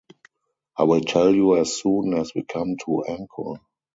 I will tell you as soon as we come to anchor.